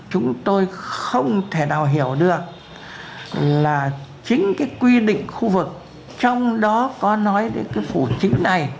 chúng tôi không thể nào hiểu được là chính cái quy định khu vực trong đó có nói đến cái phủ chính này